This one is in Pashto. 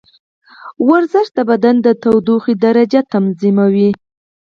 ورزش د بدن د تودوخې درجه تنظیموي.